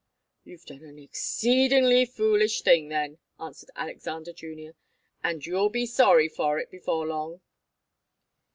"You've done an exceedingly foolish thing, then," answered Alexander Junior. "And you'll be very sorry for it before long."